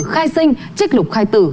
khai sinh chích lục khai tử